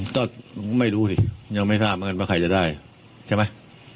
ก็ไม่รู้สิยังไม่ทราบเหมือนกันว่าใครจะได้ใช่ไหม